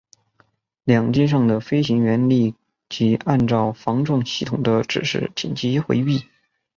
两机上的飞行员立即按照防撞系统的指示紧急回避。